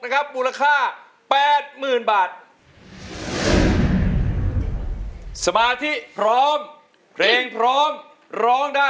มูลค่าแปดหมื่นบาทสมาธิพร้อมเพลงพร้อมร้องได้